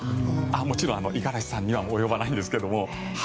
もちろん五十嵐さんには及ばないんですけど。